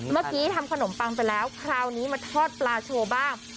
เมื่อกี้ทำขนมปังไปแล้วคราวนี้มาทอดปลาโชว์บ้าง